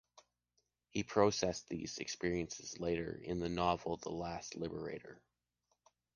He processed these experiences later, in the novel “The Last Liberator”.